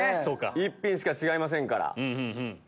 一品しか違いませんから。